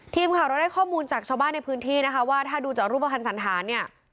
ทีมข่าวเราได้ข้อมูลจากชาวบ้านในพื้นที่นะคะว่าถ้าดูจากรูปภัณฑ์สันธารเนี่ย